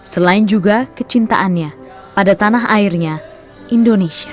selain juga kecintaannya pada tanah airnya indonesia